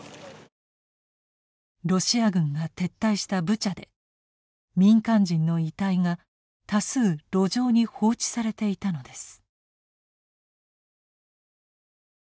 ロシア軍が撤退したブチャで民間人の遺体が多数路上に放置されていたのです。